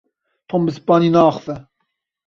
Tom bi Spanî naaxive.